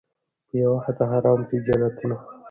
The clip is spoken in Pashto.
په یوه خطا حرام کړي جنتونه